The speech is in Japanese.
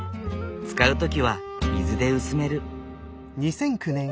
使う時は水で薄める。